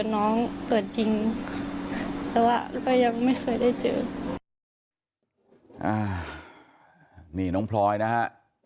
นี่น้องพลอยนะครับ